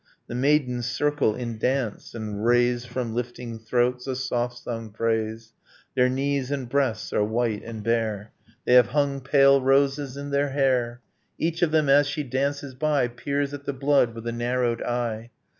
The maidens circle in dance, and raise From lifting throats, a soft sung praise; Their knees and breasts are white and bare, They have hung pale roses in their hair, Each of them as she dances by Peers at the blood with a narrowed eye.